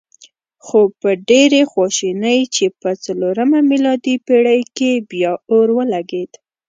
خو په ډېرې خواشینۍ چې په څلورمه میلادي پېړۍ کې بیا اور ولګېد.